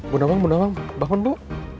bunda wang bunda wang bangun bu